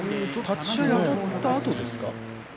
立ち合いあたったあとですかね